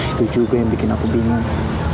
itu juga yang bikin aku bingung